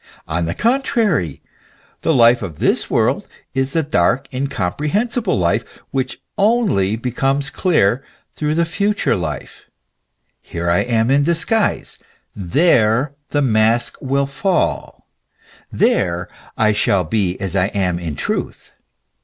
On the contrary, the life of this world is the dark, incomprehensible life, which only becomes clear through the future life ; here I am in disguise ; there the mask will fall ; there I shall be as I am in truth.